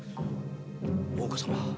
大岡様。